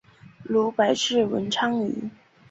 如白氏文昌鱼。